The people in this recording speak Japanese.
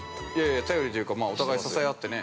◆頼りというかお互い支え合ってね。